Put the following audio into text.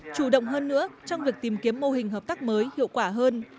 chủ động hơn nữa trong việc tìm kiếm mô hình hợp tác mới hiệu quả hơn